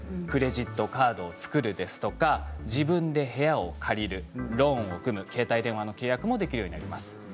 クレジットカードを作るですとか自分で部屋を借りるローンを組む携帯電話の契約もできるようになります。